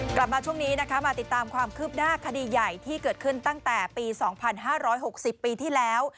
กลับมาช่วงนี้นะคะมาติดตามความคืบหน้าคดีใหญ่ที่เกิดขึ้นตั้งแต่ปี๒๕๖๐ปีที่แล้ว